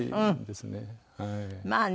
まあね